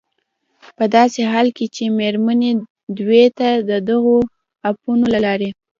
په داسې حال کې چې مېرمنې دوی ته د دغو اپونو له لارې